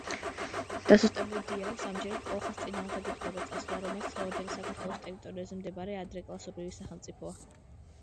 დასუსტებულ დიაოხს ამჯერად კოლხას წინააღმდეგ უხდება წასვლა, რომელიც დღევანდელი საქართველოს ტერიტორიაზე მდებარე ადრეკლასობრივი სახელმწიფოა.